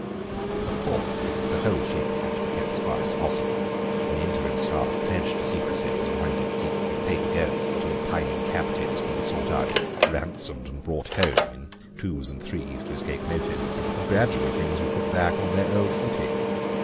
"Of course the whole thing had to be kept as quiet as possible; an interim staff, pledged to secrecy, was appointed to keep the paper going till the pining captives could be sought out, ransomed, and brought home, in twos and threes to escape notice, and gradually things were put back on their old footing.